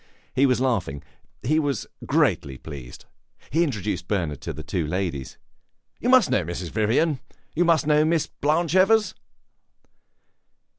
He was laughing; he was greatly pleased; he introduced Bernard to the two ladies. "You must know Mrs. Vivian; you must know Miss Blanche Evers."